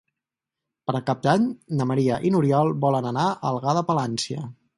Per Cap d'Any na Maria i n'Oriol volen anar a Algar de Palància.